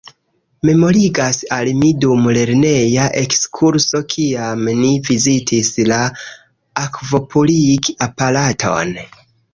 Memorigas al mi dum lerneja ekskurso kiam ni vizitis la akvopurig-aparaton...